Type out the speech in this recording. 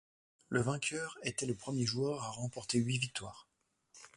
Le vainqueur était le premier joueur a remporter huit victoires.